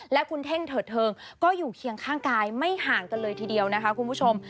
และคุณเท่งเถิดเทิงก็อยู่เคียงข้างกายไม่ห่างกันเลยทีเดียวนะคะคุณผู้ชม